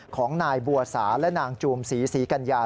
ของนายบัวสาและนางจูมศรีศรีกัญญา